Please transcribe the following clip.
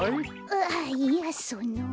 ああいやその。